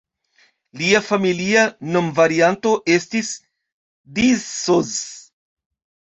Lia familia nomvarianto estis "D’Isoz".